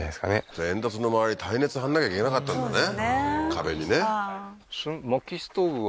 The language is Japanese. じゃあ煙突の回り耐熱貼んなきゃいけなかったんだね